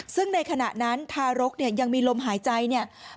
ซึ่งในขณะนั้นทารกเนี่ยยังมีลมหายใจเนี่ย